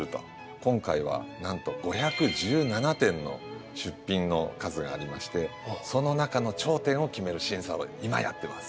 今回はなんと５１７点の出品の数がありましてその中の頂点を決める審査を今やってます。